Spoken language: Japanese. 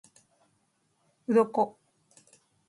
鱗